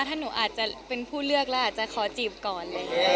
ถ้าหนูอาจจะเป็นผู้เลือกแล้วอาจจะขอจีบก่อน